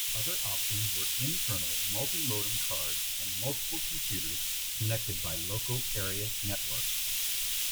Other options were internal multi-modem cards and multiple computers connected by local area network.